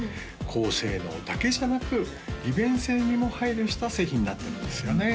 高性能だけじゃなく利便性にも配慮した製品になってるんですよね